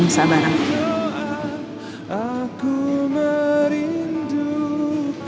oh seperti ini pak